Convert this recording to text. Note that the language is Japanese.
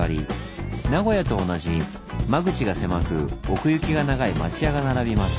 名古屋と同じ間口が狭く奥行きが長い町屋が並びます。